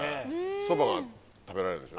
ソバが食べられるんでしょ？